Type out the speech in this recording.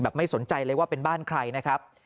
ไม่สนใจเลยว่าเป็นบ้านใครนะครับ